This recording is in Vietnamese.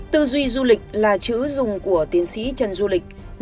tư duy du lịch là chữ dùng của tiến sĩ trần du lịch